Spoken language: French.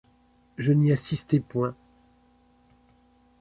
Je n’y assistai point.